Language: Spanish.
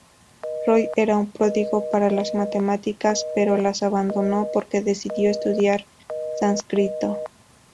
Roy era un prodigio para las matemáticas, pero las abandonó porque decidió estudiar sánscrito.